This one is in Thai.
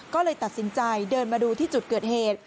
ก็เลยตัดสินใจเดินมาดูที่จุดเกิดเหตุ